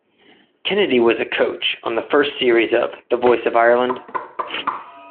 Kennedy was a coach on the first series of "The Voice of Ireland".